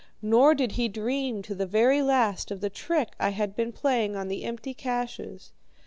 Nor did he dream, to the very last, of the trick I had been playing on the empty caches.